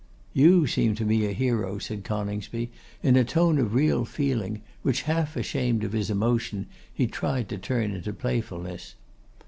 'You seem to me a hero,' said Coningsby, in a tone of real feeling, which, half ashamed of his emotion, he tried to turn into playfulness.